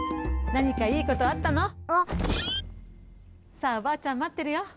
さあおばあちゃんまってるよ。